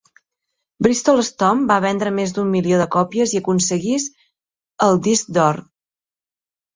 "Bristol Stomp" va vendre més d'un milió de còpies i aconseguís el disc d'or.